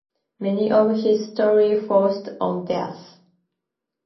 Many of his stories focus on death.